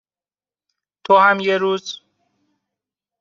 تو هم یه روز